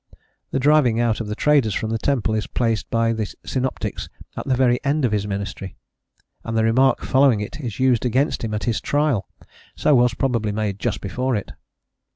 The driving out of the traders from the temple is placed by the synoptics at the very end of his ministry, and the remark following it is used against him at his trial: so was probably made just before it.